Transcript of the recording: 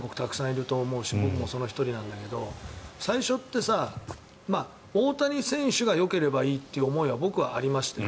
たくさんいると思うし僕もその１人だけど最初ってさ、大谷選手がよければいいという思いは僕はありましたよ。